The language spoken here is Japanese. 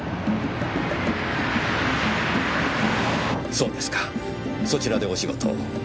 そうですかそちらでお仕事を。